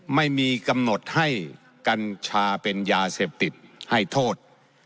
ไม่มีกำหนดให้กัญชาเป็นยาเสพติดให้โทษ